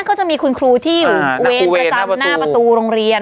ก็จะมีคุณครูที่อยู่เวรประจำหน้าประตูโรงเรียน